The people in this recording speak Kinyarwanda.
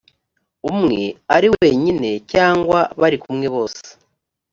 umwe ari wenyine cyangwa bari kumwe bose